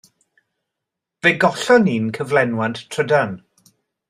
Fe gollon ni'n cyflenwad trydan.